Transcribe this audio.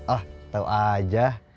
ah tau aja